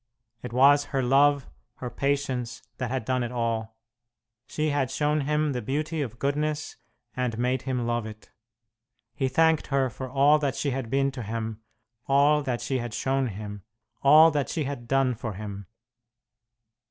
It was her love, her patience, that had done it all. She had shown him the beauty of goodness and made him love it. He thanked her for all that she had been to him, all that she had shown him, all that she had done for him.